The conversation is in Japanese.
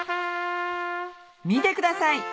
見てください！